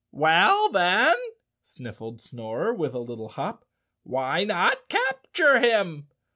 "Well, then," sniffled Snorer with a little hop, "why not capture him?